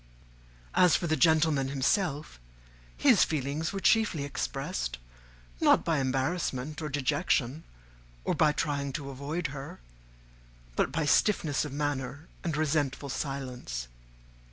As for the gentleman himself, his feelings were chiefly expressed, not by embarrassment or dejection, or by trying to avoid her, but by stiffness of manner and resentful silence.